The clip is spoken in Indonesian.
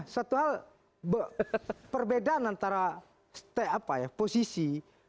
satu hal perbedaan antara posisi